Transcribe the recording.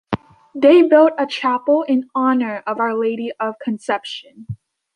They built a chapel in honor of Our Lady of Conception.